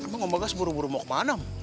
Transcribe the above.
emang om bagas buru buru mau kemana om